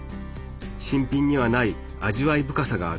新品にはない味わい深さがある。